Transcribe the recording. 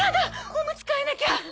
おむつ替えなきゃ！